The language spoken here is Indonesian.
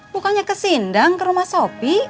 bukannya ke sindang ke rumah sopi